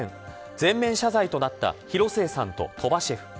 全面謝罪となった広末さんと鳥羽シェフ。